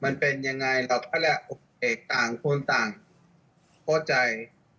มันเป็นยังไงเราก็เรียกเอกต่างคนต่างเข้าใจ